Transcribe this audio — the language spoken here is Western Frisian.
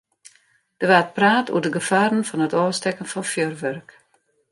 Der waard praat oer de gefaren fan it ôfstekken fan fjurwurk.